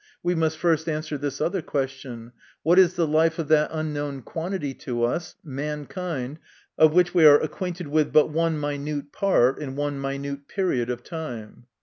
we must first answer this other question :" What is the life of that unknown quantity to us, mankind, of which we are acquainted with but one minute part in one minute period of time